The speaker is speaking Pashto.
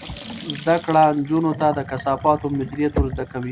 زده کړه نجونو ته د کثافاتو مدیریت ور زده کوي.